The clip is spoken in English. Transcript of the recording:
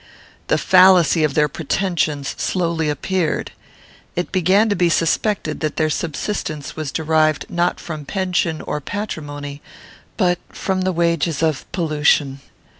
The fallacy of their pretensions slowly appeared. It began to be suspected that their subsistence was derived not from pension or patrimony, but from the wages of pollution.